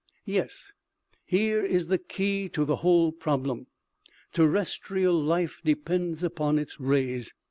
Yes, here is the key to the whole problem. " Terrestrial life depends upon its rays.